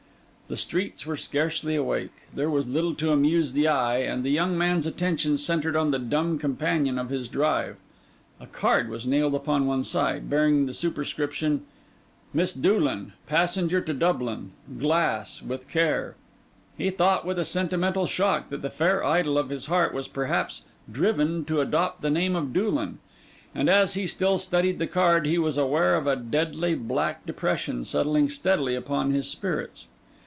The streets were scarcely awake; there was little to amuse the eye; and the young man's attention centred on the dumb companion of his drive. A card was nailed upon one side, bearing the superscription: 'Miss Doolan, passenger to Dublin. Glass. With care.' He thought with a sentimental shock that the fair idol of his heart was perhaps driven to adopt the name of Doolan; and as he still studied the card, he was aware of a deadly, black depression settling steadily upon his spirits.